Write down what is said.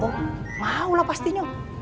oh mau lah pastinya